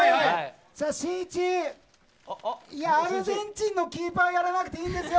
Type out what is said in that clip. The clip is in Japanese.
アルゼンチンのキーパーやらなくていいんですよ！